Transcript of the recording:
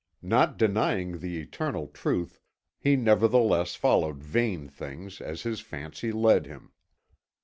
Not denying the eternal truth, he nevertheless followed vain things as his fancy led him.